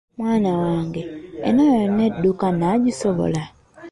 Mwana wange, eno yonna edduuka nnagisobola?